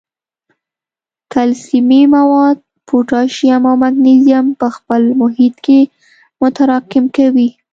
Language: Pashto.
کلسیمي مواد، پوټاشیم او مګنیزیم په خپل محیط کې متراکم کوي.